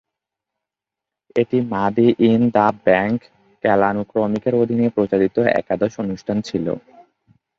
এটি Money in the Bank কালানুক্রমিকের অধীনে প্রচারিত একাদশ অনুষ্ঠান ছিল।